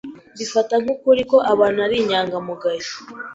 Mbifata nk'ukuri ko abantu ari inyangamugayo.